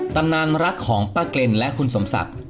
ตำนานรักของป้าเกร็นและคุณสมศักดิ์